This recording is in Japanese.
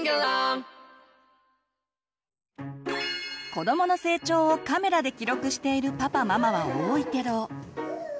子どもの成長をカメラで記録しているパパママは多いけど。